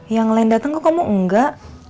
yang lain datang ke kamu enggak